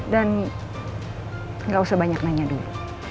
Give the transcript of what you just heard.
gak usah banyak nanya dulu